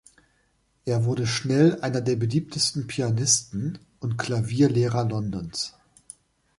Er wurde schnell einer der beliebtesten Pianisten und Klavierlehrer Londons.